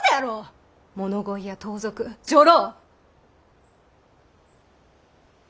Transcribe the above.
物乞いや盗賊女郎。